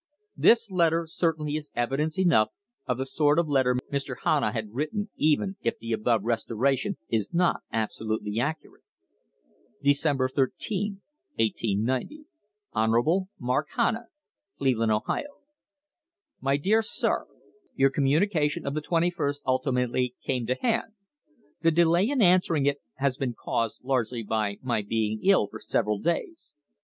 This letter certainly is evidence enough of the sort of letter Mr. Hanna had written even if the above restoration is not absolutely accurate: HON. MARK HANNA, December 13, 1890. Cleveland, Ohio. My dear Sir: Your communication of the 2ist ult. came to hand. The delay in answering it has been caused largely by my being ill for several days.